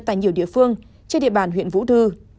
tại nhiều địa phương trên địa bàn huyện vũ thư